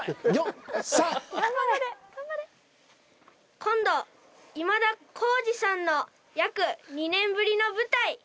今度今田耕司さんの約２年ぶりの舞台。